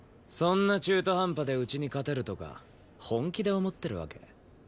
そんな中途半端でうちに勝てるとか本気で思ってるわけ？